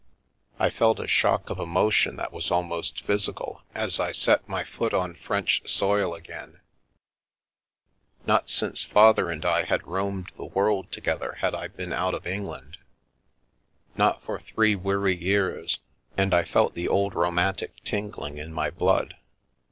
I felt a shock of emotion that was almost physical as I set my foot on French soil again — not since Father and I had roamed the world together had I been out of England — not for three weary years, and I felt the old, romantic tingling in my blood.